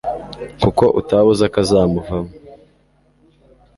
kuko utaba uzi akazamuvamo